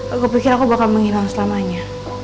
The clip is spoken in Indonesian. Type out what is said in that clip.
aku pikir aku bakal menghilang selamanya